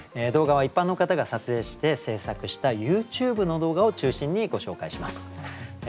動画は一般の方が撮影して制作したＹｏｕＴｕｂｅの動画を中心にご紹介します。